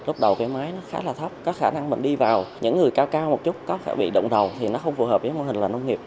lúc đầu cái máy nó khá là thấp có khả năng mình đi vào những người cao cao một chút có thể bị động đầu thì nó không phù hợp với mô hình là nông nghiệp